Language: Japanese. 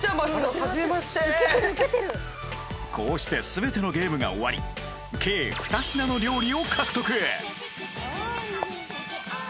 こうして全てのゲームが終わり計２品の料理を獲得